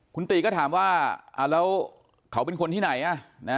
คุณตีก็ถามว่าแล้วเขาเป็นคนที่ไหน